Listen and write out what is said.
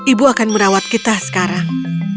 ibu akan merawat kita sekarang